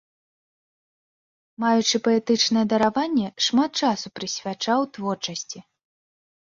Маючы паэтычнае дараванне, шмат часу прысвячаў творчасці.